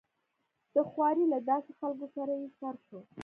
د خوارې له داسې خلکو سره يې سر شو.